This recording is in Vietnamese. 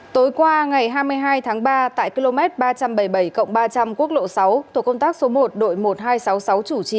tối qua ngày hai mươi hai tháng ba tại km ba trăm bảy mươi bảy ba trăm linh quốc lộ sáu tổ công tác số một đội một nghìn hai trăm sáu mươi sáu chủ trì